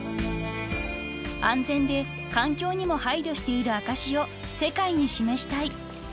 ［安全で環境にも配慮している証しを世界に示したい］